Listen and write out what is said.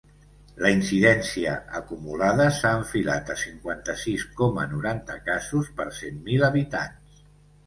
La incidència acumulada s’ha enfilat a cinquanta-sis coma noranta casos per cent mil habitants.